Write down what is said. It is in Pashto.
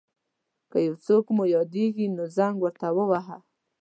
که یو څوک مو یاديږي نو زنګ ورته وواهه.